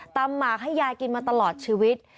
หมากให้ยายกินมาตลอดชีวิต